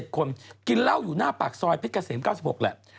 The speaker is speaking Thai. คนกินเหล้าอยู่หน้าปากซอยเพชรเกษม๙๖แหละ